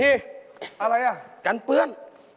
เกิดอะไรขึ้น